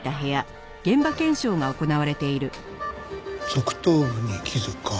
側頭部に傷か。